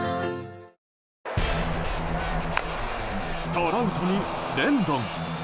トラウトにレンドン。